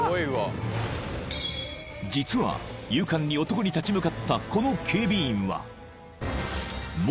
［実は勇敢に男に立ち向かったこの警備員は］